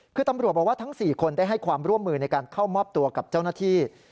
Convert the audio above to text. คือตำรวจบอกว่าทั้ง๔คนได้ให้ความร่วมมือในการเข้ามอบตัวกับเจ้าหน้าที่